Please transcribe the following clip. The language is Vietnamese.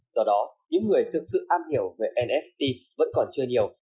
do đó những người thực sự am hiểu về nft vẫn còn chưa nhiều